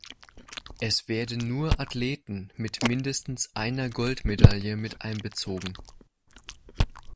Es werden nur Athleten mit mindestens einer Goldmedaille mit einbezogen.